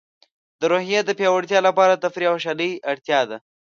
د روحیې د پیاوړتیا لپاره د تفریح او خوشحالۍ اړتیا ده.